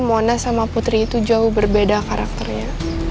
mona sama putri itu jauh berbeda karakternya